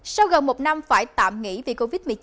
sau gần một năm phải tạm nghỉ vì covid